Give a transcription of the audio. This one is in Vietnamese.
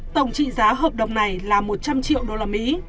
tổng trị giá hợp đồng này là một trăm linh triệu usd